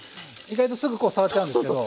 意外とすぐこう触っちゃうんですけど。